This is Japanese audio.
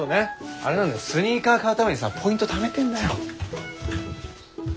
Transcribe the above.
スニーカー買うためにさポイントためてんだよ。